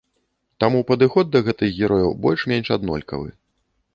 Таму падыход да гэтых герояў больш-менш аднолькавы.